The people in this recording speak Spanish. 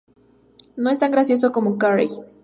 No es tan gracioso como Carrey.